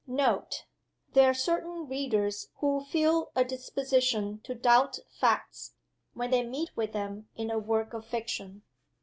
NOTE. There are certain readers who feel a disposition to doubt Facts, when they meet with them in a work of fiction.